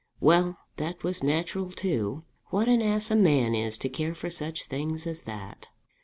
"Well, that was natural too. What an ass a man is to care for such things as that!"